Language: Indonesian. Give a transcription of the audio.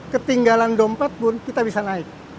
ketinggalan dompet pun kita bisa naik